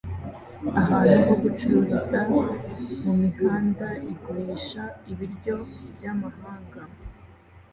Ahantu ho gucururiza mumihanda igurisha ibiryo byamahanga